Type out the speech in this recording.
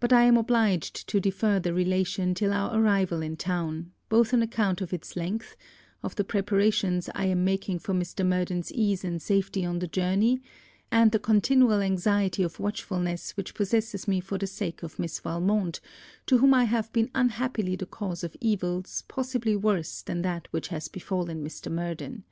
But I am obliged to defer the relation till our arrival in town, both on account of its length, of the preparations I am making for Mr. Murden's ease and safety on the journey, and the continual anxiety of watchfulness which possesses me for the sake of Miss Valmont, to whom I have been unhappily the cause of evils possibly worse than that which has befallen Mr. Murden.